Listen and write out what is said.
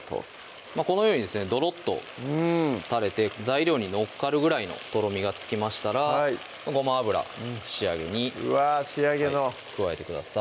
このようにですねドロッと垂れて材料に載っかるぐらいのとろみがつきましたらごま油仕上げにうわ仕上げの加えてください